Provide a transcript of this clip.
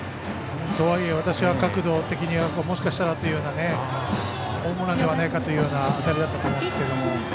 とはいえ私は角度的にはもしかしたらホームランではないかという当たりだったと思いますが。